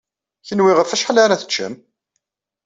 Kenwi ɣef wacḥal ara teččem?